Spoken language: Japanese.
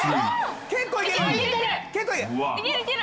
結構行ける。